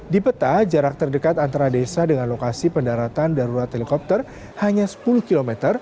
di peta jarak terdekat antara desa dengan lokasi pendaratan darurat helikopter hanya sepuluh km